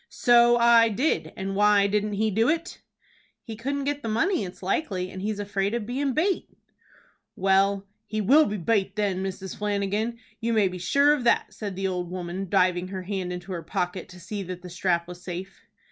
"So I did, and why didn't he do it?" "He couldn't get the money, it's likely, and he's afraid of bein' bate." "Well, he will be bate then, Mrs. Flanagan, you may be sure of that," said the old woman, diving her hand into her pocket to see that the strap was safe.